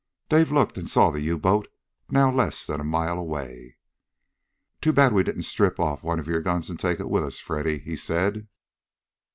Dave looked and saw the U boat now less than a mile away. "Too bad we didn't strip off one of your guns and take it with us, Freddy," he said.